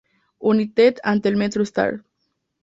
United ante el MetroStars.